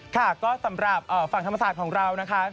ค่ะก็สำหรับฝั่งธรรมศาสตร์ของเรานะคะ